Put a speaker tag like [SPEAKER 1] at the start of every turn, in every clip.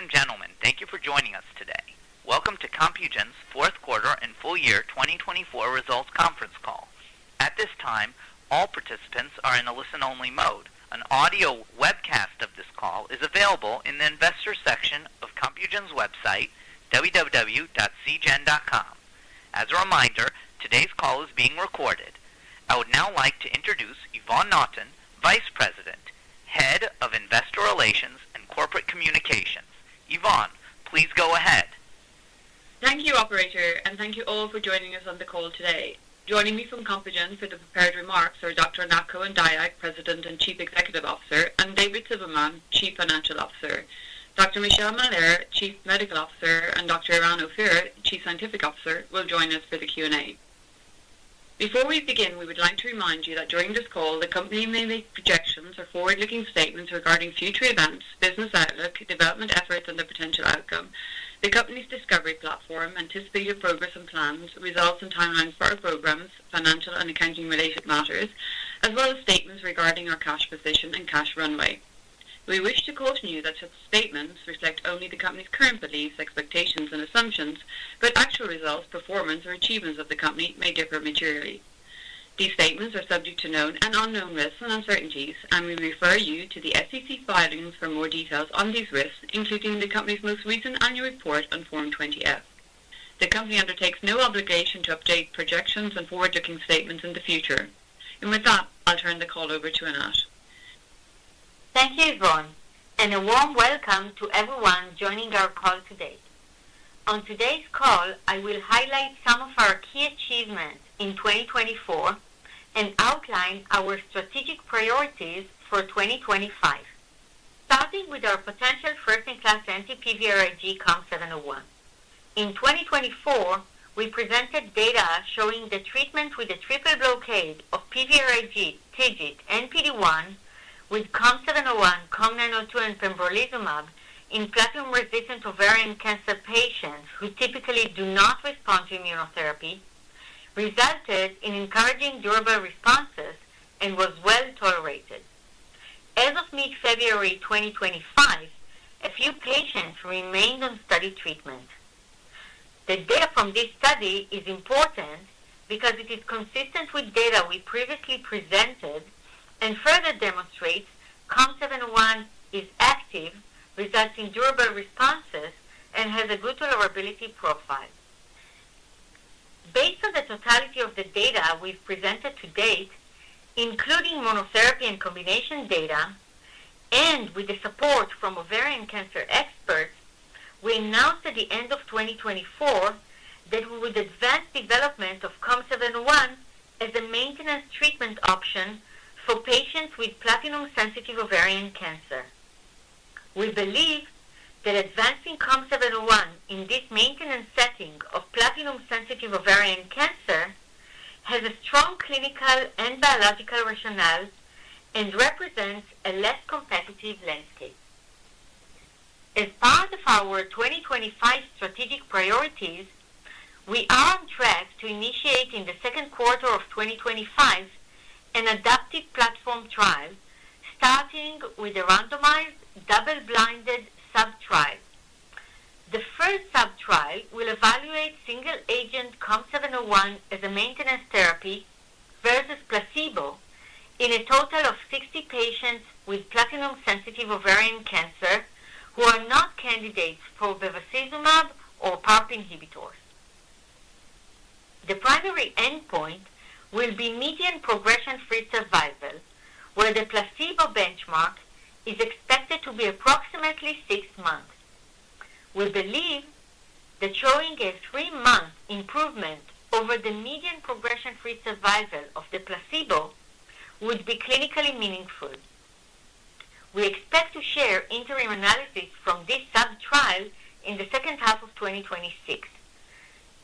[SPEAKER 1] Ladies and gentlemen, thank you for joining us today. Welcome to Compugen's fourth quarter and full year 2024 results conference call. At this time, all participants are in a listen-only mode. An audio webcast of this call is available in the investor section of Compugen's website, www.cgen.com. As a reminder, today's call is being recorded. I would now like to introduce Yvonne Naughton, Vice President, Head of Investor Relations and Corporate Communications. Yvonne, please go ahead.
[SPEAKER 2] Thank you, Operator, and thank you all for joining us on the call today. Joining me from Compugen for the prepared remarks are Dr. Anat Cohen-Dayag, President and Chief Executive Officer, and David Silberman, Chief Financial Officer. Dr. Michelle Mahler, Chief Medical Officer, and Dr. Eran Ophir, Chief Scientific Officer, will join us for the Q&A. Before we begin, we would like to remind you that during this call, the company may make projections or forward-looking statements regarding future events, business outlook, development efforts, and the potential outcome. The company's discovery platform anticipated progress and plans, results and timelines for our programs, financial and accounting-related matters, as well as statements regarding our cash position and cash runway. We wish to caution you that such statements reflect only the company's current beliefs, expectations, and assumptions, but actual results, performance, or achievements of the company may differ materially. These statements are subject to known and unknown risks and uncertainties, and we refer you to the SEC filings for more details on these risks, including the company's most recent annual report on Form 20-F. The company undertakes no obligation to update projections and forward-looking statements in the future. With that, I'll turn the call over to Anat.
[SPEAKER 3] Thank you, Yvonne, and a warm welcome to everyone joining our call today. On today's call, I will highlight some of our key achievements in 2024 and outline our strategic priorities for 2025, starting with our potential first-in-class anti-PVRIG COM701. In 2024, we presented data showing the treatment with a triple blockade of PVRIG, TIGIT, and PD-1 with COM701, COM902, and pembrolizumab in platinum-resistant ovarian cancer patients who typically do not respond to immunotherapy, resulted in encouraging durable responses and was well tolerated. As of mid-February 2025, a few patients remained on study treatment. The data from this study is important because it is consistent with data we previously presented and further demonstrates COM701 is active, results in durable responses, and has a good tolerability profile. Based on the totality of the data we've presented to date, including monotherapy and combination data, and with the support from ovarian cancer experts, we announced at the end of 2024 that we would advance development of COM701 as a maintenance treatment option for patients with platinum-sensitive ovarian cancer. We believe that advancing COM701 in this maintenance setting of platinum-sensitive ovarian cancer has a strong clinical and biological rationale and represents a less competitive landscape. As part of our 2025 strategic priorities, we are on track to initiate in the second quarter of 2025 an adaptive platform trial, starting with a randomized double-blinded subtrial. The first subtrial will evaluate single-agent COM701 as a maintenance therapy versus placebo in a total of 60 patients with platinum-sensitive ovarian cancer who are not candidates for bevacizumab or PARP inhibitors. The primary endpoint will be median progression-free survival, where the placebo benchmark is expected to be approximately six months. We believe that showing a three-month improvement over the median progression-free survival of the placebo would be clinically meaningful. We expect to share interim analysis from this subtrial in the second half of 2026.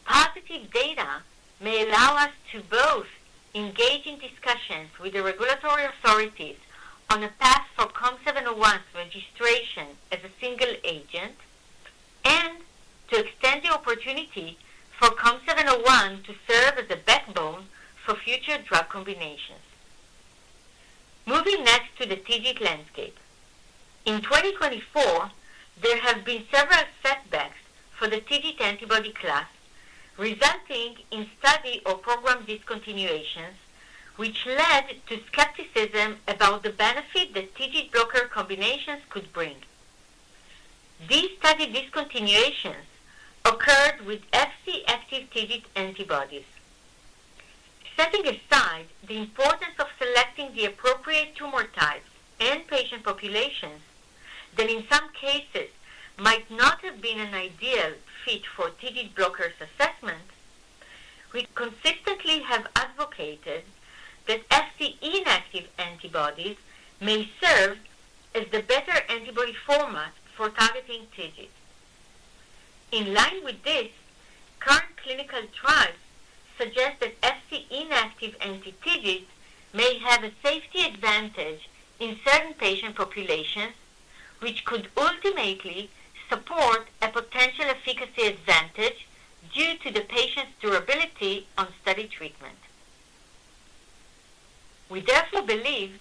[SPEAKER 3] Positive data may allow us to both engage in discussions with the regulatory authorities on a path for COM701's registration as a single agent and to extend the opportunity for COM701 to serve as a backbone for future drug combinations. Moving next to the TIGIT landscape. In 2024, there have been several setbacks for the TIGIT antibody class, resulting in study or program discontinuations, which led to skepticism about the benefit that TIGIT blocker combinations could bring. These study discontinuations occurred with Fc-active TIGIT antibodies. Setting aside the importance of selecting the appropriate tumor type and patient populations that in some cases might not have been an ideal fit for TIGIT blockers assessment, we consistently have advocated that Fc-inactive antibodies may serve as the better antibody format for targeting TIGIT. In line with this, current clinical trials suggest that Fc-inactive anti-TIGIT may have a safety advantage in certain patient populations, which could ultimately support a potential efficacy advantage due to the patient's durability on study treatment. We therefore believe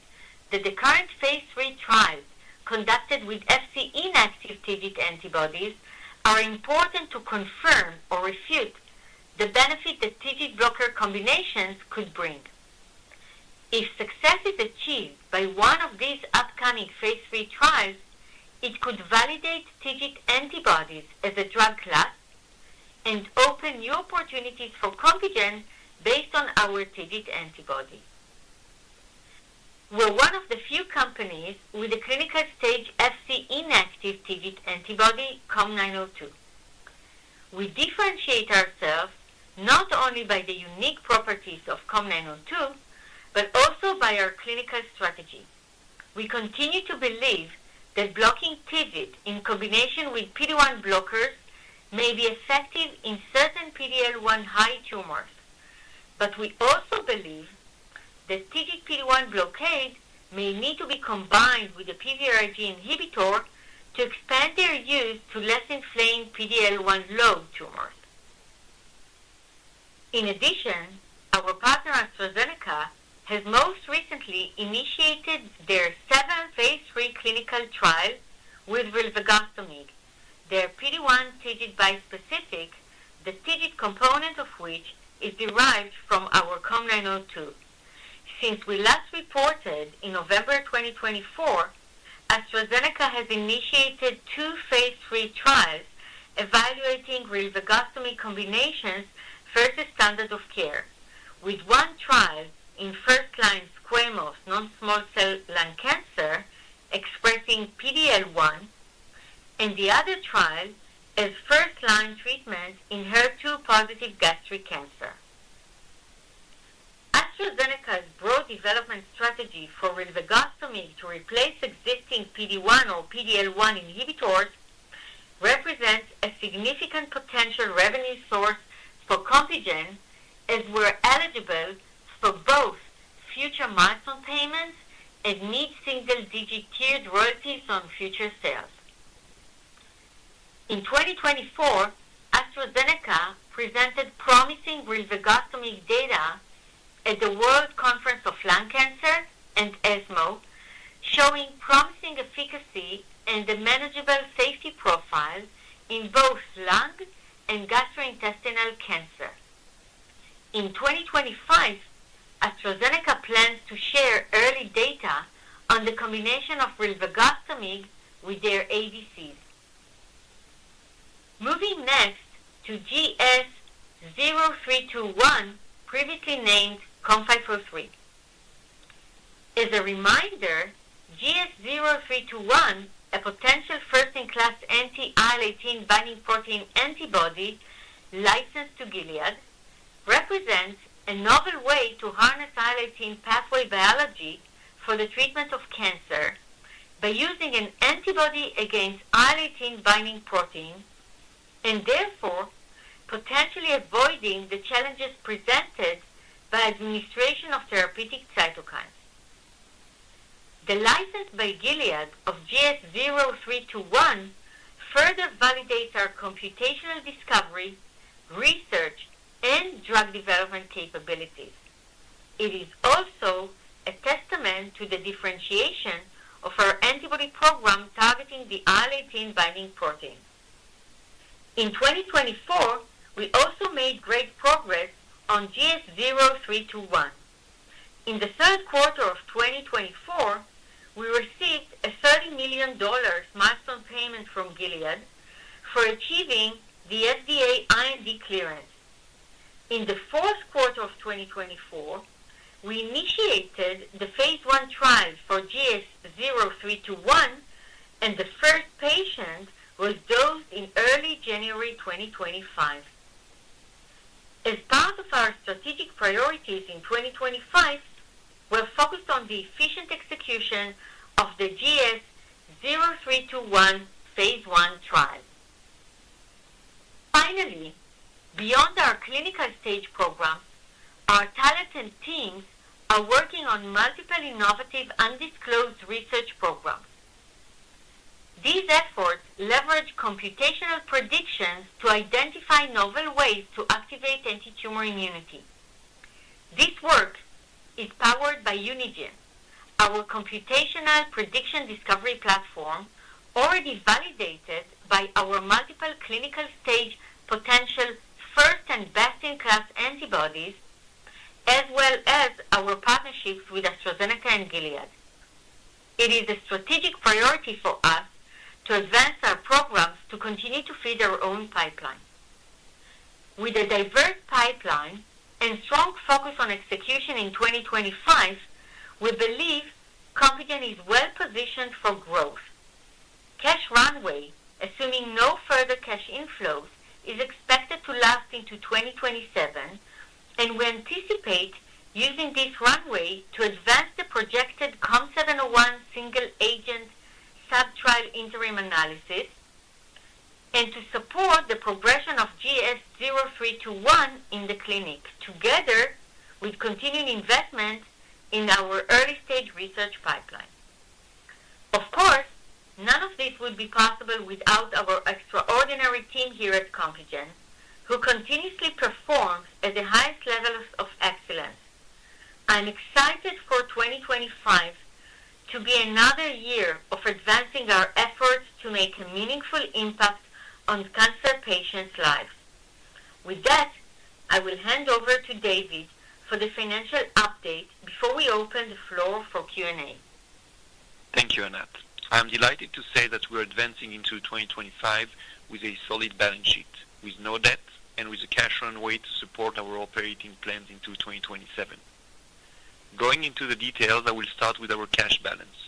[SPEAKER 3] that the current Phase 3 trials conducted with Fc-inactive TIGIT antibodies are important to confirm or refute the benefit that TIGIT blocker combinations could bring. If success is achieved by one of these upcoming Phase 3 trials, it could validate TIGIT antibodies as a drug class and open new opportunities for Compugen based on our TIGIT antibody. We're one of the few companies with a clinical stage Fc-inactive TIGIT antibody, COM902. We differentiate ourselves not only by the unique properties of COM902, but also by our clinical strategy. We continue to believe that blocking TIGIT in combination with PD-1 blockers may be effective in certain PD-L1 high tumors, but we also believe that TIGIT PD-1 blockade may need to be combined with a PVRIG inhibitor to expand their use to less inflamed PD-L1 low tumors. In addition, our partner AstraZeneca has most recently initiated their seventh Phase 3 clinical trial with rilvegostomig, their PD-1 TIGIT bispecific, the TIGIT component of which is derived from our COM902. Since we last reported in November 2024, AstraZeneca has initiated two Phase 3 trials evaluating rilvegostomig combinations versus standard of care, with one trial in first-line squamous non-small cell lung cancer expressing PD-L1 and the other trial as first-line treatment in HER2-positive gastric cancer. AstraZeneca's broad development strategy for rilvegostomig to replace existing PD-1 or PD-L1 inhibitors represents a significant potential revenue source for Compugen, as we're eligible for both future milestone payments and mid single-digit tiered royalties on future sales. In 2024, AstraZeneca presented promising rilvegostomig data at the World Conference on Lung Cancer and ESMO, showing promising efficacy and a manageable safety profile in both lung and gastrointestinal cancer. In 2025, AstraZeneca plans to share early data on the combination of rilvegostomig with their ADCs. Moving next to GS0321, previously named COM543. As a reminder, GS0321, a potential first-in-class anti-IL-18 binding protein antibody licensed to Gilead, represents a novel way to harness IL-18 pathway biology for the treatment of cancer by using an antibody against IL-18 binding protein and therefore potentially avoiding the challenges presented by administration of therapeutic cytokines. The license by Gilead of GS0321 further validates our computational discovery, research, and drug development capabilities. It is also a testament to the differentiation of our antibody program targeting the IL-18 binding protein. In 2024, we also made great progress on GS0321. In the third quarter of 2024, we received a $30 million milestone payment from Gilead for achieving the FDA IND clearance. In the fourth quarter of 2024, we initiated the Phase 1 trial for GS0321, and the first patient was dosed in early January 2025. As part of our strategic priorities in 2025, we're focused on the efficient execution of the GS0321 Phase 1 trial. Finally, beyond our clinical stage program, our talented teams are working on multiple innovative undisclosed research programs. These efforts leverage computational predictions to identify novel ways to activate anti-tumor immunity. This work is powered by CGEN, our computational prediction discovery platform, already validated by our multiple clinical stage potential first and best-in-class antibodies, as well as our partnerships with AstraZeneca and Gilead. It is a strategic priority for us to advance our programs to continue to feed our own pipeline. With a diverse pipeline and strong focus on execution in 2025, we believe Compugen is well positioned for growth. Cash runway, assuming no further cash inflows, is expected to last into 2027, and we anticipate using this runway to advance the projected COM701 single-agent subtrial interim analysis and to support the progression of GS0321 in the clinic, together with continuing investment in our early-stage research pipeline. Of course, none of this would be possible without our extraordinary team here at Compugen, who continuously performs at the highest level of excellence. I'm excited for 2025 to be another year of advancing our efforts to make a meaningful impact on cancer patients' lives. With that, I will hand over to David for the financial update before we open the floor for Q&A.
[SPEAKER 4] Thank you, Anat. I'm delighted to say that we're advancing into 2025 with a solid balance sheet, with no debt, and with a cash runway to support our operating plans into 2027. Going into the details, I will start with our cash balance.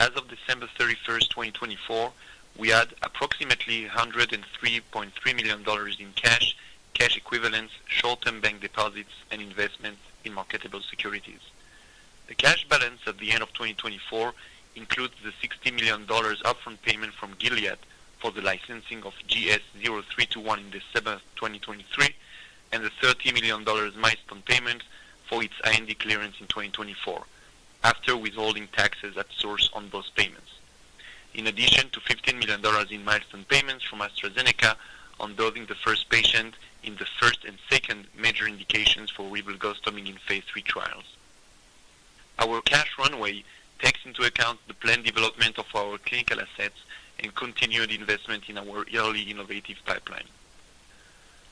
[SPEAKER 4] As of December 31, 2024, we had approximately $103.3 million in cash, cash equivalents, short-term bank deposits, and investments in marketable securities. The cash balance at the end of 2024 includes the $60 million upfront payment from Gilead for the licensing of GS0321 in December 2023 and the $30 million milestone payment for its IND clearance in 2024, after withholding taxes at source on those payments, in addition to $15 million in milestone payments from AstraZeneca on dosing the first patient in the first and second major indications for rilvegostomig in Phase 3 trials. Our cash runway takes into account the planned development of our clinical assets and continued investment in our early innovative pipeline.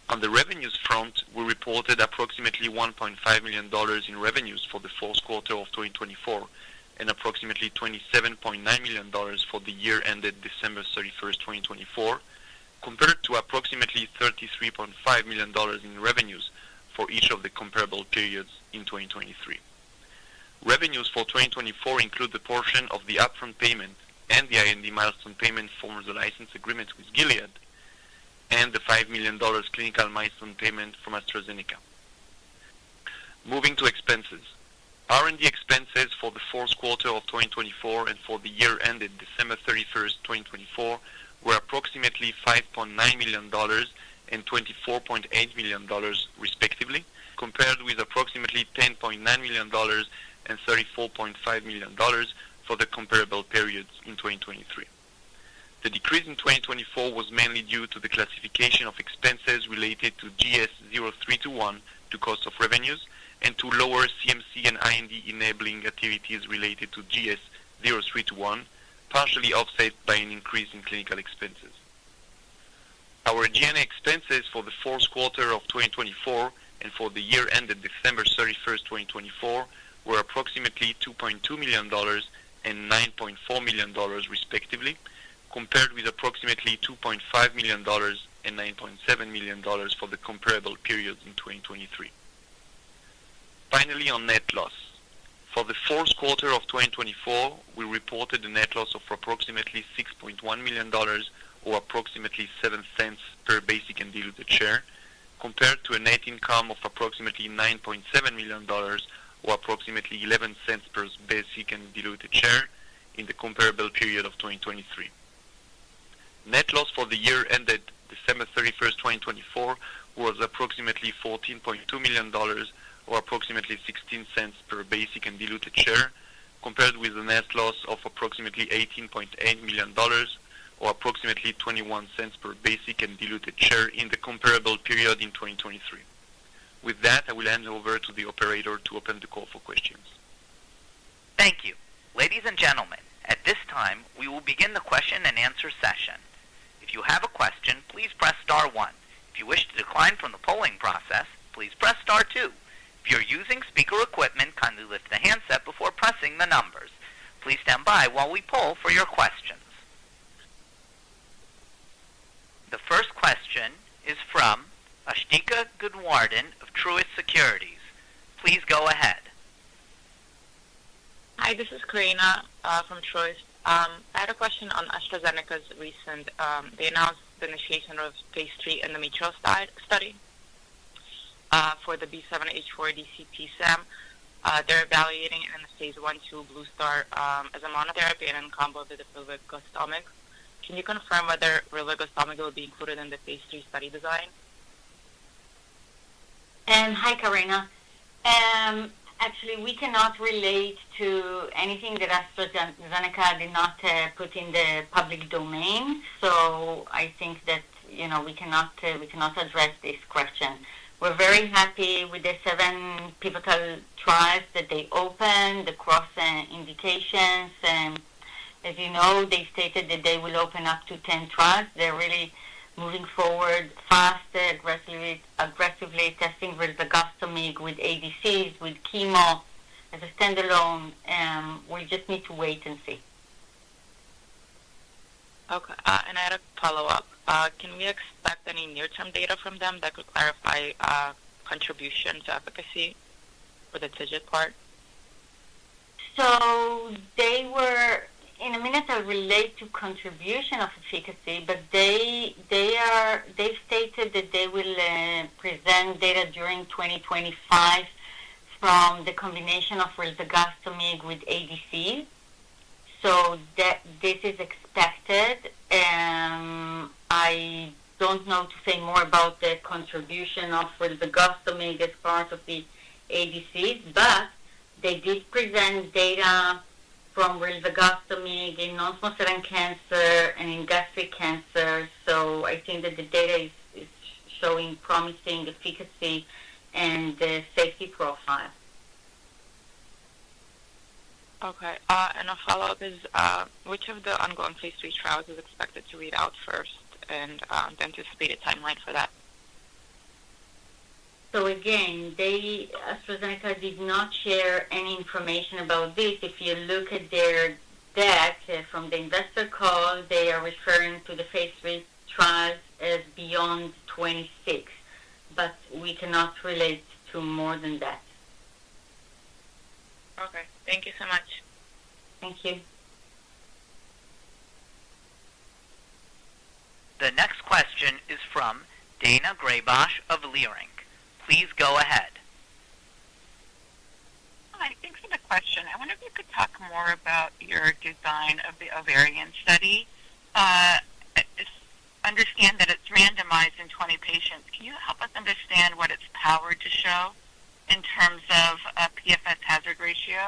[SPEAKER 4] On the revenues front, we reported approximately $1.5 million in revenues for the fourth quarter of 2024 and approximately $27.9 million for the year ended December 31, 2024, compared to approximately $33.5 million in revenues for each of the comparable periods in 2023. Revenues for 2024 include the portion of the upfront payment and the IND milestone payment from the license agreement with Gilead and the $5 million clinical milestone payment from AstraZeneca. Moving to expenses. R&D expenses for the fourth quarter of 2024 and for the year ended December 31, 2024, were approximately $5.9 million and $24.8 million, respectively, compared with approximately $10.9 million and $34.5 million for the comparable periods in 2023. The decrease in 2024 was mainly due to the classification of expenses related to GS0321 to cost of revenues and to lower CMC and IND enabling activities related to GS0321, partially offset by an increase in clinical expenses. Our G&A expenses for the fourth quarter of 2024 and for the year ended December 31, 2024, were approximately $2.2 million and $9.4 million, respectively, compared with approximately $2.5 million and $9.7 million for the comparable periods in 2023. Finally, on net loss. For the fourth quarter of 2024, we reported a net loss of approximately $6.1 million or approximately $0.07 per basic and diluted share, compared to a net income of approximately $9.7 million or approximately $0.11 per basic and diluted share in the comparable period of 2023. Net loss for the year ended December 31, 2024, was approximately $14.2 million or approximately $0.16 per basic and diluted share, compared with a net loss of approximately $18.8 million or approximately $0.21 per basic and diluted share in the comparable period in 2023. With that, I will hand over to the operator to open the call for questions.
[SPEAKER 1] Thank you. Ladies and gentlemen, at this time, we will begin the question and answer session. If you have a question, please press star one. If you wish to decline from the polling process, please press star two. If you're using speaker equipment, kindly lift the handset before pressing the numbers. Please stand by while we poll for your questions. The first question is from Asthika Goonewardene of Truist Securities. Please go ahead.
[SPEAKER 5] Hi, this is Karina from Truist. I had a question on AstraZeneca's recent, they announced the initiation of Phase 3 endometrial study for the B7-H4 ADC program. They're evaluating it in the Phase 1/2 study as a monotherapy and in combo with the rilvegostomig. Can you confirm whether rilvegostomig will be included in the Phase 3 study design?
[SPEAKER 3] Hi, Karina. Actually, we cannot relate to anything that AstraZeneca did not put in the public domain, so I think that we cannot address this question. We're very happy with the seven pivotal trials that they opened, the cross-indications. As you know, they stated that they will open up to 10 trials. They're really moving forward fast, aggressively testing rilvegostomig with ADCs, with chemo, as a standalone. We just need to wait and see.
[SPEAKER 5] Okay. I had a follow-up. Can we expect any near-term data from them that could clarify contribution to efficacy for the TIGIT part?
[SPEAKER 3] They were in a minute, I'll relate to contribution of efficacy, but they stated that they will present data during 2025 from the combination of rilvegostomig with ADCs. This is expected. I don't know to say more about the contribution of rilvegostomig as part of the ADCs, but they did present data from rilvegostomig in non-small cell lung cancer and in gastric cancer. I think that the data is showing promising efficacy and safety profile.
[SPEAKER 5] Okay. A follow-up is, which of the ongoing Phase 3 trials is expected to read out first and the anticipated timeline for that?
[SPEAKER 3] Again, AstraZeneca did not share any information about this. If you look at their deck from the investor call, they are referring to the Phase 3 trials as beyond 2026, but we cannot relate to more than that.
[SPEAKER 5] Okay. Thank you so much.
[SPEAKER 3] Thank you.
[SPEAKER 1] The next question is from Daina Graybosch of Leerink. Please go ahead.
[SPEAKER 6] Hi. Thanks for the question. I wonder if you could talk more about your design of the ovarian study. Understand that it's randomized in 20 patients. Can you help us understand what its power to show in terms of PFS hazard ratio?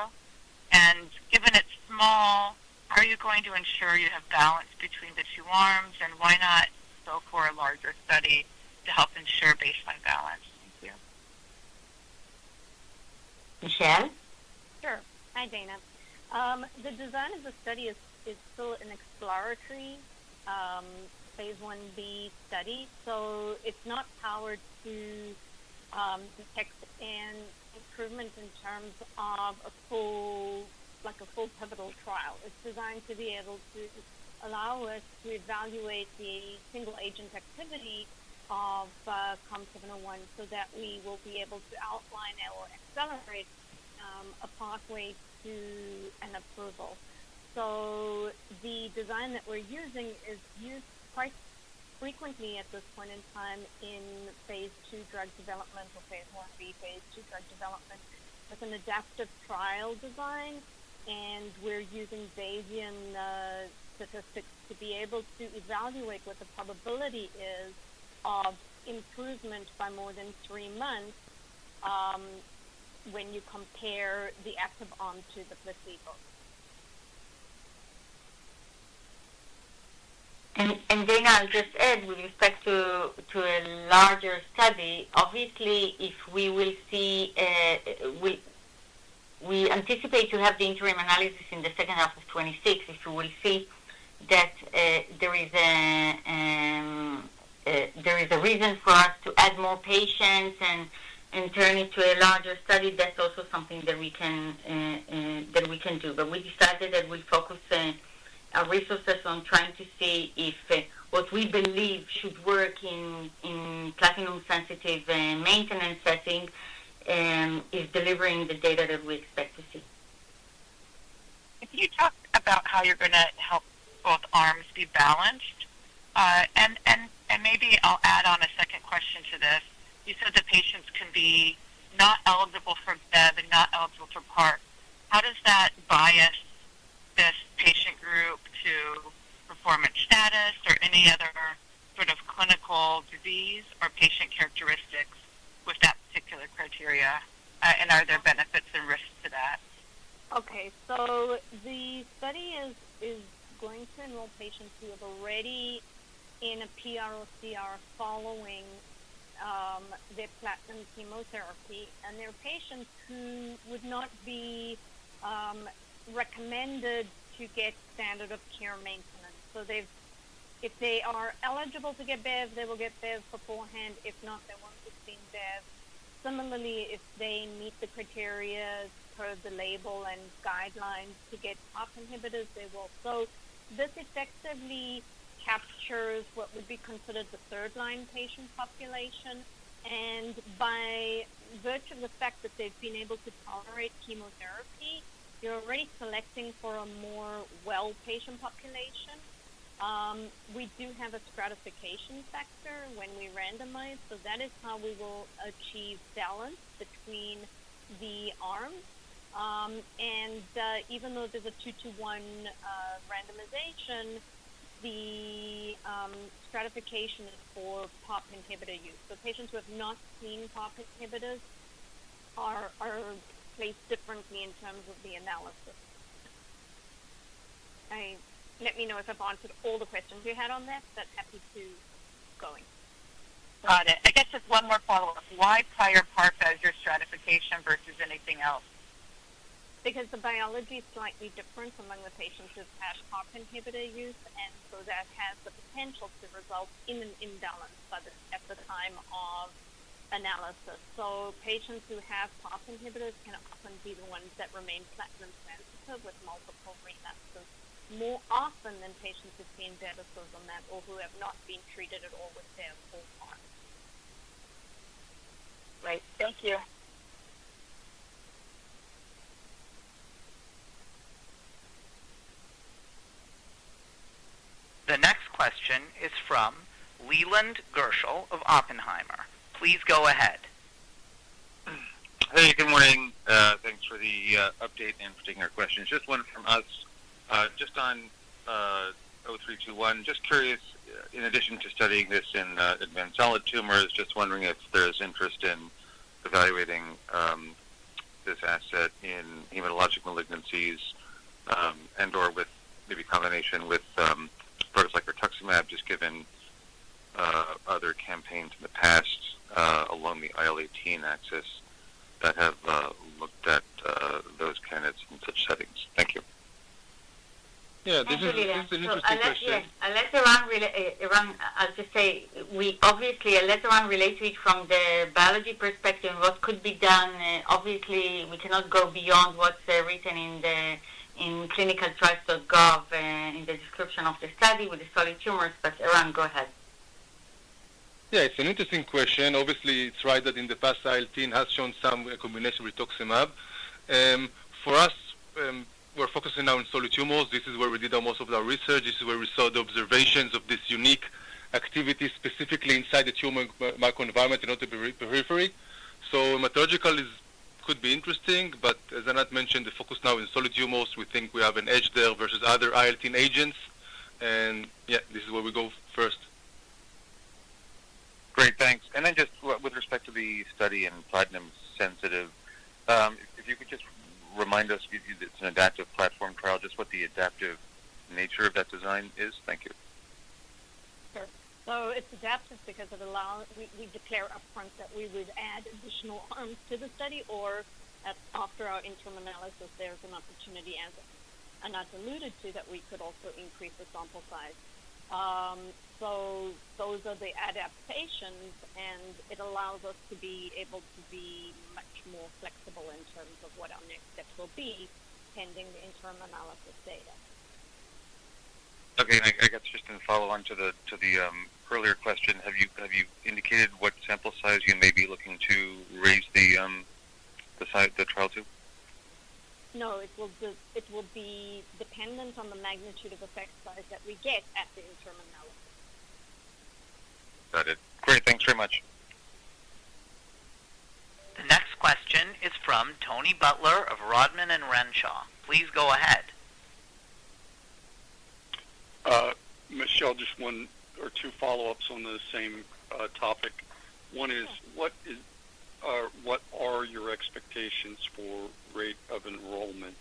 [SPEAKER 6] Given it's small, how are you going to ensure you have balance between the two arms? not go for a larger study to help ensure baseline balance? Thank you.
[SPEAKER 3] Michelle?
[SPEAKER 7] Sure. Hi, Diana. The design of the study is still an exploratory Phase 1b study, so it's not powered to detect an improvement in terms of a full pivotal trial. It's designed to be able to allow us to evaluate the single-agent activity of COM701 so that we will be able to outline or accelerate a pathway to an approval. The design that we're using is used quite frequently at this point in time in Phase 2 drug development or Phase 1b, Phase 2 drug development with an adaptive trial design, and we're using Bayesian statistics to be able to evaluate what the probability is of improvement by more than three months when you compare the active arm to the placebo.
[SPEAKER 3] Dana, I'll just add with respect to a larger study. Obviously, if we will see we anticipate to have the interim analysis in the second half of 2026, if we will see that there is a reason for us to add more patients and turn into a larger study, that's also something that we can do. We decided that we'll focus our resources on trying to see if what we believe should work in platinum-sensitive maintenance setting is delivering the data that we expect to see.
[SPEAKER 6] If you talk about how you're going to help both arms be balanced, and maybe I'll add on a second question to this, you said the patients can be not eligible for Bev and not eligible for PARP. How does that bias this patient group to performance status or any other sort of clinical disease or patient characteristics with that particular criteria? And are there benefits and risks to that?
[SPEAKER 7] Okay. The study is going to enroll patients who are already in a PR or CR following their platinum chemotherapy and they're patients who would not be recommended to get standard of care maintenance. If they are eligible to get Bev, they will get Bev beforehand. If not, they won't be seeing Bev. Similarly, if they meet the criteria per the label and guidelines to get PARP inhibitors, they will. This effectively captures what would be considered the third-line patient population. By virtue of the fact that they've been able to tolerate chemotherapy, you're already selecting for a more well-patient population. We do have a stratification factor when we randomize. That is how we will achieve balance between the arms. Even though there's a two-to-one randomization, the stratification is for PARP inhibitor use. Patients who have not seen PARP inhibitors are placed differently in terms of the analysis. Let me know if I've answered all the questions you had on this. That's happy to keep going.
[SPEAKER 6] Got it. I guess just one more follow-up. Why prior PARP as your stratification versus anything else?
[SPEAKER 7] Because the biology is slightly different among the patients who have PARP inhibitor use, and that has the potential to result in an imbalance at the time of analysis. Patients who have PARP inhibitors can often be the ones that remain platinum-sensitive with multiple reactions more often than patients who have seen bevacizumab or who have not been treated at all with their full PARP.
[SPEAKER 6] Great. Thank you.
[SPEAKER 1] The next question is from Leland Gershell of Oppenheimer. Please go ahead.
[SPEAKER 8] Hey, good morning. Thanks for the update and for taking our questions. Just one from us. Just on GS0321, just curious, in addition to studying this in advanced solid tumors, just wondering if there's interest in evaluating this asset in hematologic malignancies and/or with maybe combination with products like rituximab, just given other campaigns in the past along the IL-18 axis that have looked at those candidates in such settings. Thank you.
[SPEAKER 3] Yeah. This is an interesting question. I'll just say, obviously, I'll let Eran relate to it from the biology perspective and what could be done. Obviously, we cannot go beyond what's written in clinicaltrials.gov in the description of the study with the solid tumors, but Eran, go ahead.
[SPEAKER 9] Yeah. It's an interesting question. Obviously, it's right that in the past, IL-10 has shown some combination with rituximab. For us, we're focusing now on solid tumors. This is where we did most of our research. This is where we saw the observations of this unique activity specifically inside the tumor microenvironment and not the periphery. Hematological could be interesting, but as Anat mentioned, the focus now is solid tumors. We think we have an edge there versus other IL-10 agents. Yeah, this is where we go first. Great. Thanks. And then just with respect to the study in platinum-sensitive, if you could just remind us, it's an adaptive platform trial, just what the adaptive nature of that design is. Thank you.
[SPEAKER 7] Sure. It is adaptive because we declare upfront that we would add additional arms to the study, or after our interim analysis, there is an opportunity, as Anat alluded to, that we could also increase the sample size. Those are the adaptations, and it allows us to be able to be much more flexible in terms of what our next steps will be pending the interim analysis data.
[SPEAKER 8] Okay. I guess just to follow on to the earlier question, have you indicated what sample size you may be looking to raise the trial to?
[SPEAKER 7] No. It will be dependent on the magnitude of effect size that we get at the interim analysis.
[SPEAKER 8] Got it. Great. Thanks very much.
[SPEAKER 1] The next question is from Tony Butler of Rodman and Renshaw. Please go ahead.
[SPEAKER 10] Michelle, just one or two follow-ups on the same topic. One is, what are your expectations for rate of enrollment?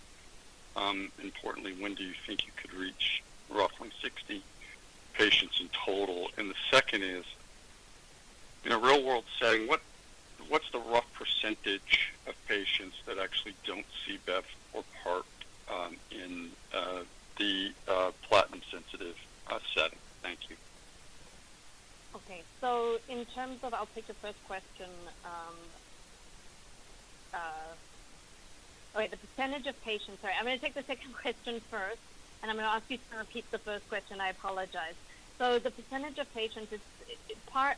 [SPEAKER 10] Importantly, when do you think you could reach roughly 60 patients in total? The second is, in a real-world setting, what's the rough percentage of patients that actually don't see bevacizumab or PARP in the platinum-sensitive setting? Thank you.
[SPEAKER 7] Okay. In terms of I'll take the first question. Wait, the percentage of patients sorry. I'm going to take the second question first, and I'm going to ask you to repeat the first question. I apologize. The percentage of patients is PARP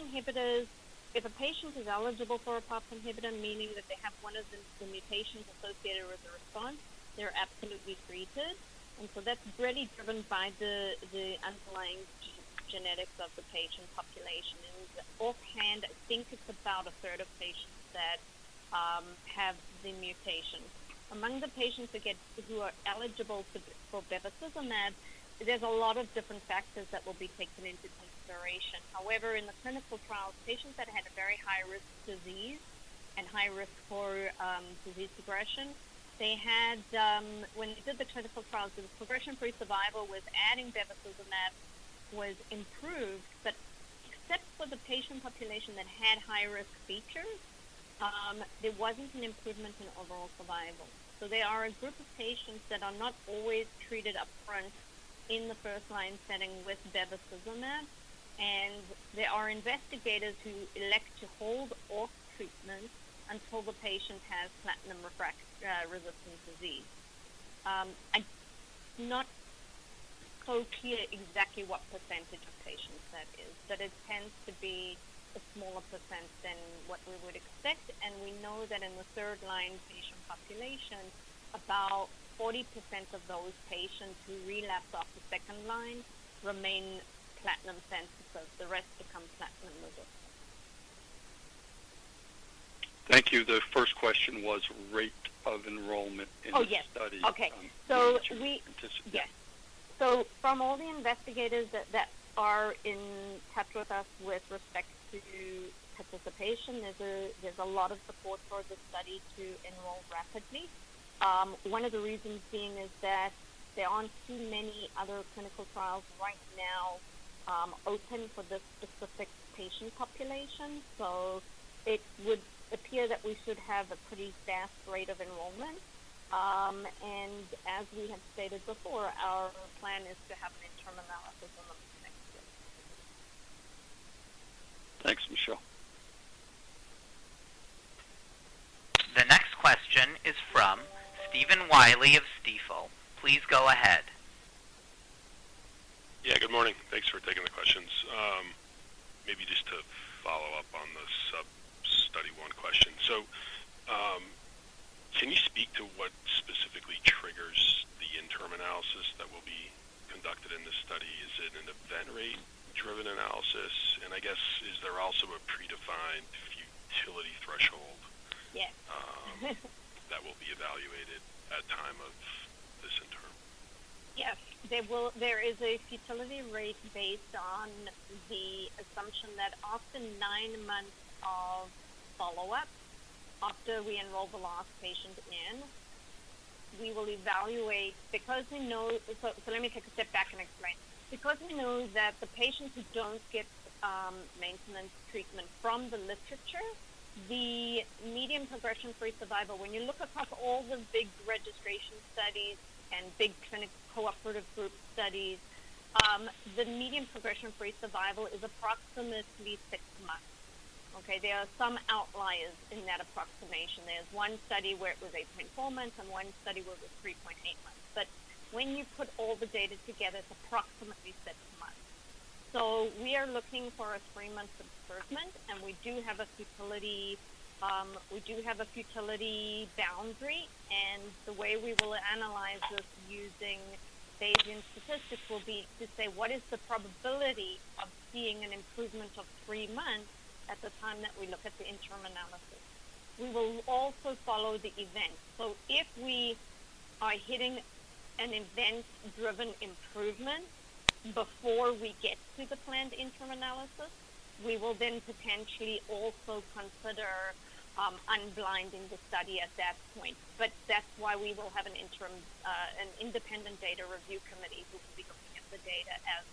[SPEAKER 7] inhibitors. If a patient is eligible for a PARP inhibitor, meaning that they have one of the mutations associated with the response, they're absolutely treated. That's really driven by the underlying genetics of the patient population. Offhand, I think it's about a third of patients that have the mutation. Among the patients who are eligible for bevacizumab, there's a lot of different factors that will be taken into consideration. However, in the clinical trials, patients that had a very high-risk disease and high risk for disease progression, they had when they did the clinical trials, the progression-free survival with adding bevacizumab was improved, except for the patient population that had high-risk features, there was not an improvement in overall survival. There are a group of patients that are not always treated upfront in the first-line setting with bevacizumab, and there are investigators who elect to hold off treatment until the patient has platinum-resistant disease. I'm not so clear exactly what percentage of patients that is, but it tends to be a smaller percent than what we would expect. We know that in the third-line patient population, about 40% of those patients who relapse off the second line remain platinum-sensitive. The rest become platinum-resistant.
[SPEAKER 10] Thank you. The first question was rate of enrollment in the study.
[SPEAKER 7] Oh, yes. Okay. So we.
[SPEAKER 10] Anticipated.
[SPEAKER 7] Yes. From all the investigators that are in touch with us with respect to participation, there's a lot of support for the study to enroll rapidly. One of the reasons being is that there aren't too many other clinical trials right now open for this specific patient population. It would appear that we should have a pretty fast rate of enrollment. As we have stated before, our plan is to have an interim analysis on the next year.
[SPEAKER 10] Thanks, Michelle.
[SPEAKER 1] The next question is from Stephen Willey of Stifel. Please go ahead.
[SPEAKER 11] Yeah. Good morning. Thanks for taking the questions. Maybe just to follow up on the sub-study one question. Can you speak to what specifically triggers the interim analysis that will be conducted in this study? Is it an event-rate-driven analysis? I guess, is there also a predefined futility threshold that will be evaluated at time of this interim?
[SPEAKER 7] Yes. There is a futility rate based on the assumption that after nine months of follow-up, after we enroll the last patient in, we will evaluate because we know—let me take a step back and explain. Because we know that the patients who don't get maintenance treatment from the literature, the median progression-free survival, when you look across all the big registration studies and big clinical cooperative group studies, the median progression-free survival is approximately six months. Okay? There are some outliers in that approximation. There is one study where it was 8.4 months and one study where it was 3.8 months. When you put all the data together, it is approximately six months. We are looking for a three-month improvement, and we do have a futility—we do have a futility boundary. The way we will analyze this using Bayesian statistics will be to say, what is the probability of seeing an improvement of three months at the time that we look at the interim analysis? We will also follow the event. If we are hitting an event-driven improvement before we get to the planned interim analysis, we will then potentially also consider unblinding the study at that point. That is why we will have an independent data review committee who will be looking at the data as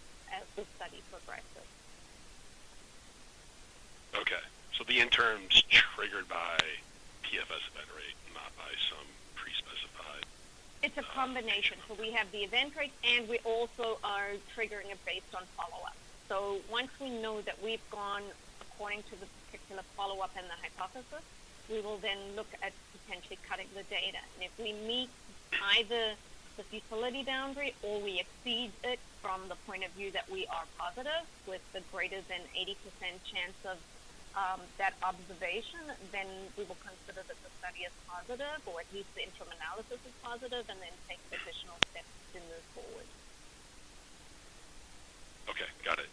[SPEAKER 7] the study progresses.
[SPEAKER 11] Okay. The interim's triggered by PFS event rate, not by some pre-specified event rate?
[SPEAKER 7] It's a combination. We have the event rate, and we also are triggering it based on follow-up. Once we know that we've gone according to the particular follow-up and the hypothesis, we will then look at potentially cutting the data. If we meet either the futility boundary or we exceed it from the point of view that we are positive with the greater than 80% chance of that observation, we will consider that the study is positive or at least the interim analysis is positive and then take additional steps to move forward.
[SPEAKER 11] Okay. Got it.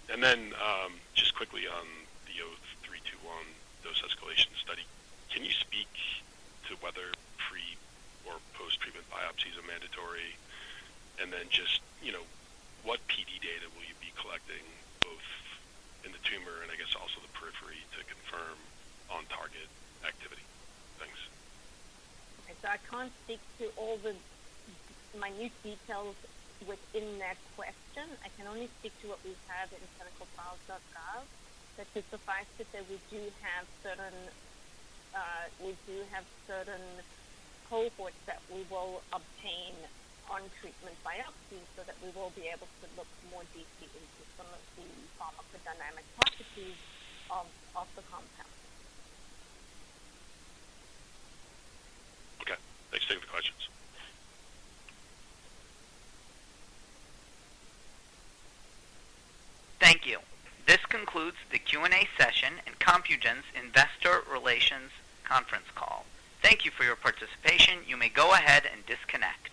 [SPEAKER 11] Just quickly on the 0321 dose escalation study, can you speak to whether pre or post-treatment biopsies are mandatory? Just what PD data will you be collecting both in the tumor and, I guess, also the periphery to confirm on-target activity? Thanks.
[SPEAKER 7] Okay. I can't speak to all the minute details within that question. I can only speak to what we have in clinicaltrials.gov. That just suffices that we do have certain—we do have certain cohorts that we will obtain on treatment biopsies so that we will be able to look more deeply into some of the pharmacodynamic properties of the compound.
[SPEAKER 11] Okay. Thanks for taking the questions.
[SPEAKER 1] Thank you. This concludes the Q&A session in Compugen's investor relations conference call. Thank you for your participation. You may go ahead and disconnect.